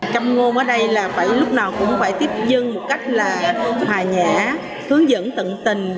trong ngôn ở đây là phải lúc nào cũng phải tiếp dân một cách là hòa nhã hướng dẫn tận tình